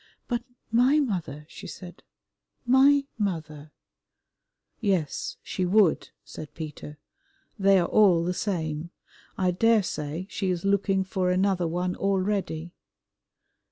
"But my mother," she said, "my mother" "Yes, she would," said Peter, "they are all the same. I daresay she is looking for another one already."